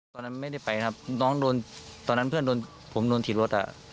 ตอนนั้นไม่ได้ไปครับตอนนั้นเพื่อนผมโดนถีบรถอะ